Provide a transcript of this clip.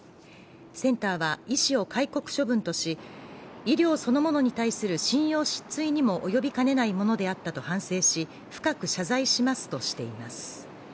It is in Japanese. センターは医師を戒告処分とし、医療そのものに対する信用失墜にもおよびかねないものであったと反省し、深く謝罪しますとしています。